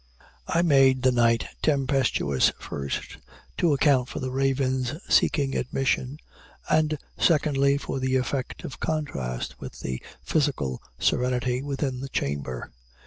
I made the night tempestuous, first, to account for the Raven's seeking admission, and secondly, for the effect of contrast with the (physical) serenity within the chamber.